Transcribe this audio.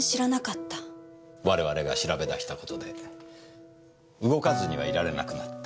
我々が調べ出した事で動かずにはいられなくなった。